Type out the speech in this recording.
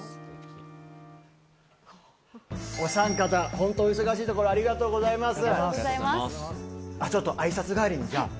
お３方、本当にお忙しいところありがとうございます。